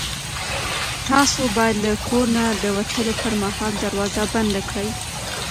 تاسو باید له کور نه د وتلو پر مهال دروازه بنده کړئ.